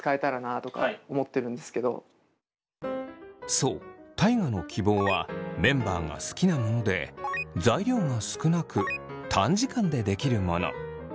そう大我の希望はメンバーが好きなもので材料が少なく短時間でできるもの。